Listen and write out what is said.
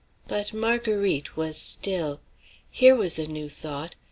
But Marguerite was still. Here was a new thought.